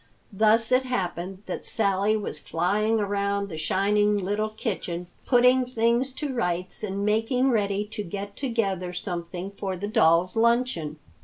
Thus it happened that Sally was flying around the shining little kitchen, putting things to rights and making ready to get together something for the dolls' luncheon.